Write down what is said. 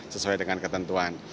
sesuai dengan ketentuan